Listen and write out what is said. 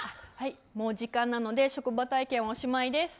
もう時間なので職場体験おしまいです。